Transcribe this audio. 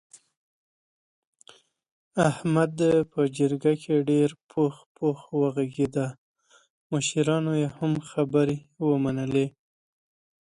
احمد په جرګه کې ډېر پوخ پوخ و غږېدا مشرانو یې هم خبرې ومنلې.